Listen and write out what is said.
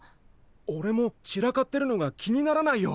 おれも散らかってるのが気にならないよ。